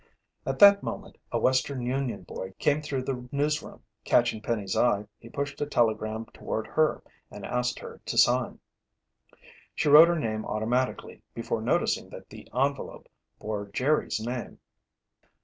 At that moment a Western Union boy came through the newsroom. Catching Penny's eye, he pushed a telegram toward her and asked her to sign. She wrote her name automatically, before noticing that the envelope bore Jerry's name.